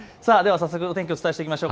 早速、天気をお伝えしていきましょう。